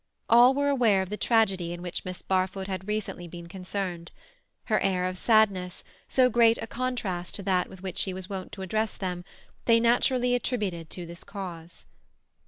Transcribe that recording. All were aware of the tragedy in which Miss Barfoot had recently been concerned; her air of sadness, so great a contrast to that with which she was wont to address them, they naturally attributed to this cause.